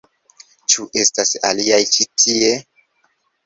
Ĉu estas aliaj ĉi tie?